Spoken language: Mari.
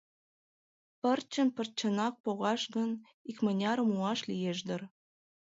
Пырчын-пырчынак погаш гын, икмынярым муаш лиеш дыр.